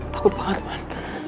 takut banget man